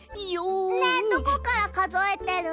ねえどこからかぞえてるの？